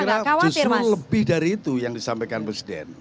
saya kira justru lebih dari itu yang disampaikan presiden